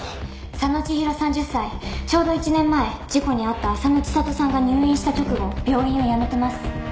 「佐野千広３０歳ちょうど１年前事故に遭った浅野知里さんが入院した直後病院を辞めてます」